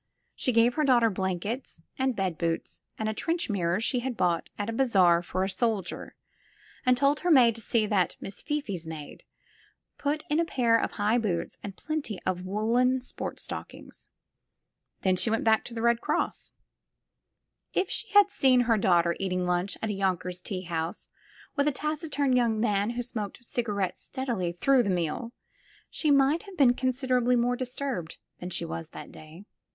She gave her daughter blankets and bed boots and a trench mirror she had bought at a bazaar for a soldier, and told her maid to see that Miss Fifi's maid put in a pair of high boots and plenty of woolen sport stockings. Then she went back to the Red Cross. If she had seen her daughter eating lunch at a Yonkers tea house with a taciturn young man who smoked ciga rettes steadily through the meal, she might have been considerably more disturbed than she was that day.